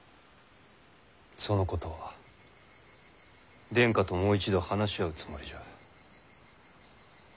そのことは殿下ともう一度話し合うつもりじゃ。